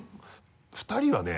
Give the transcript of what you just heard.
２人はね